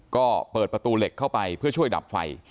ก็เปิดประตูเหล็กเข้าไปเพื่อช่วยดับไฟ